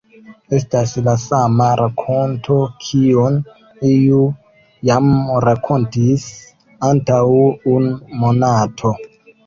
Estas la sama rakonto, kiun iu jam rakontis antaŭ unu monato!